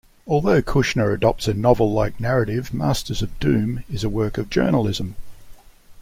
Although Kushner adopts a novel-like narrative, "Masters of Doom" is a work of journalism.